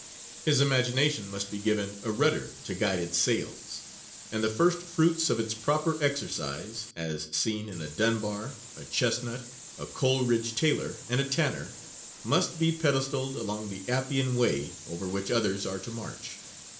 His imagination must be given a rudder to guide its sails; and the first fruits of its proper exercise, as seen in a Dunbar, a Chesnutt, a Coleridge Taylor and a Tanner, must be pedestaled along the Appian Way over which others are to march.